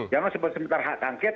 jangan sebentar sebentar hak angket